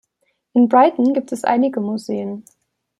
In Brighton gibt es einige Museen.